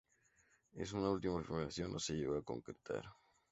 Esa última afirmación no se llegó a concretar.